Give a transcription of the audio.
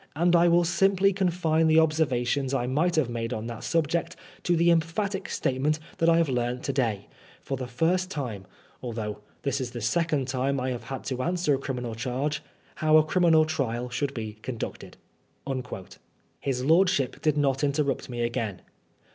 And I will simply THE TUIUb TBIAL. 157 confine the observations I miffht have made on that subject to the emphatic statement that I have leamt to day, for the first time — uthongh this is the second time I have had to answer a criminal charge ^how a criminal trial should be conducted.'* * His lordship did not interrupt me again.